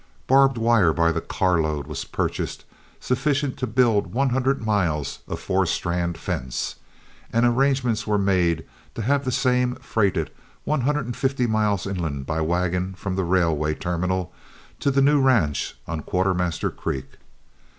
Barbed wire by the carload was purchased sufficient to build one hundred miles of four strand fence, and arrangements were made to have the same freighted one hundred and fifty miles inland by wagon from the railway terminal to the new ranch on Quartermaster Creek.